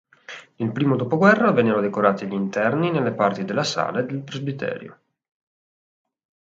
Nel primo dopoguerra vennero decorati gli interni nelle parti della sala e del presbiterio.